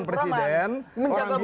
lalu melawan menan su mantan presiden